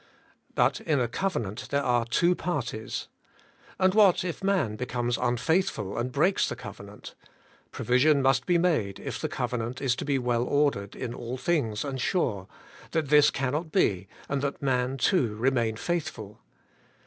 But in a covenant there are two parties. And what if man becomes unfaithful and breaks the covenant? Provision must be made, if the covenant is to be well ordered in all things and sure, that this cannot be, and that man too remain faithful.